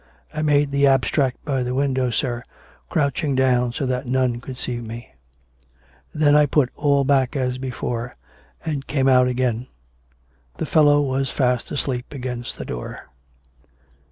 I made the abstract by the window, sir, crouching down so that none should see me. Then I COME RACK! COME ROPE! 255 put all back as before, and came out again; the fellow was fast asleep against the door."